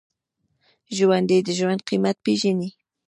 ژوندي د ژوند قېمت پېژني